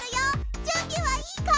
準備はいいか！